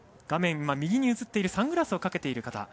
画面右に映っているサングラスをかけている方